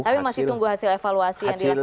tapi masih tunggu hasil evaluasi yang dilakukan